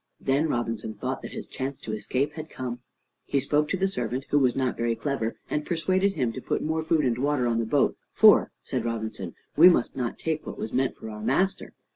Then Robinson thought that his chance to escape had come. He spoke to the servant, who was not very clever, and persuaded him to put more food and water on the boat, for, said Robinson, "we must not take what was meant for our master."